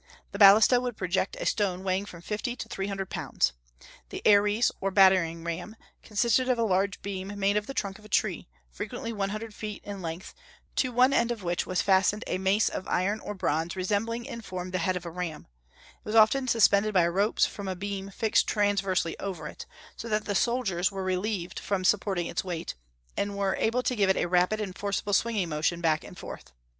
The balista would project a stone weighing from fifty to three hundred pounds. The aries, or battering ram, consisted of a large beam made of the trunk of a tree, frequently one hundred feet in length, to one end of which was fastened a mace of iron or bronze resembling in form the head of a ram; it was often suspended by ropes from a beam fixed transversely over it, so that the soldiers were relieved from supporting its weight, and were able to give it a rapid and forcible swinging motion backward and forward.